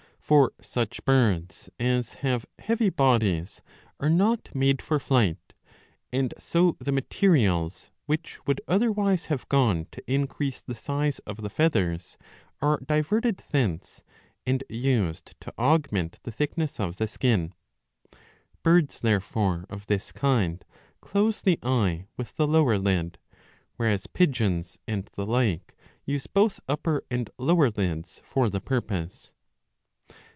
^ For such birds as have heavy bodies are not made for flight ; and so the materials which would otherwise have gone to increase the size of the feathers are diverted thence, and used to augment the thickness of the skin.^ Birds therefore of this kind close the eye with the lower lid ; whereas pigeons and the like use both upper and lower lids for the purpose.